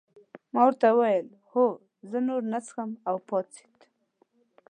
ما ورته وویل هو نور نه څښم او پاڅېد.